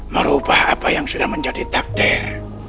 merubah apa yang sudah menjadi takdir